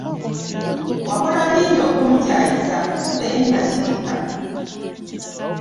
Wakola bingi okunkyayisa naye nasirika.